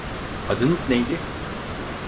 Adınız neydi?